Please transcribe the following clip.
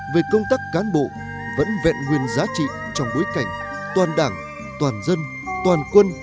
về công tác cán bộ vẫn vẹn nguyên giá trị trong bối cảnh toàn đảng toàn dân toàn quân